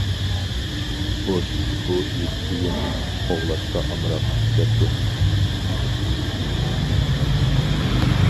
بوش «بۇ ئىت تىيىن قوغلاشقا ئامراق» دەپتۇ.